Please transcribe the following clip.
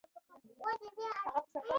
پاړکي په وروستیو پېړیو کې خورا شتمن شوي وو.